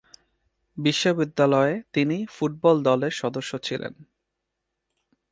বিশ্ববিদ্যালয়ে তিনি ফুটবল দলের সদস্য ছিলেন।